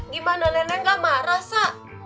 gimana neneng enggak marah sa